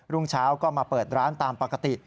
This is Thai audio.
รุ่งเช้าก็มาเปิดร้านตามปกติ